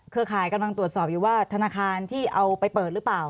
เคอร์คายกำลังตรวจสอบว่าธนคารที่เอาไปเปิดหรือเปล่า